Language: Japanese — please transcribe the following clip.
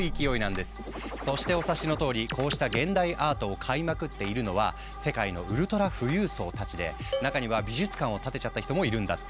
そしてお察しのとおりこうした現代アートを買いまくっているのは世界のウルトラ富裕層たちで中には美術館を建てちゃった人もいるんだって。